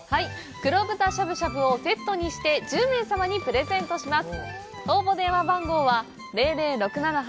黒豚しゃぶしゃぶをセットにして１０名様にプレゼントします。